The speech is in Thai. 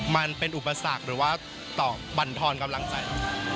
มันเป็นอุปสรรคหรือว่าต่อบรรทรกำลังใจ